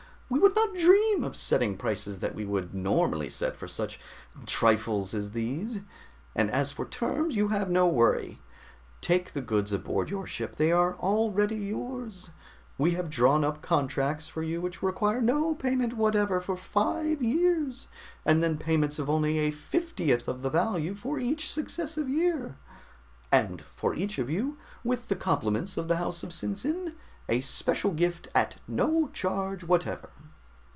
We would not dream of setting prices that we would normally set for such trifles as these. And as for terms, you have no worry. Take the goods aboard your ship, they are already yours. We have drawn up contracts for you which require no payment whatever for five years, and then payments of only a fiftieth of the value for each successive year. And for each of you, with the compliments of the house of SinSin, a special gift at no charge whatever."